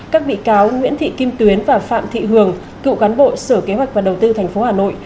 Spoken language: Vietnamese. các bị cáo nguyễn thị kim tuyến và phạm thị hường cựu cán bộ sở kế hoạch và đầu tư tp hà nội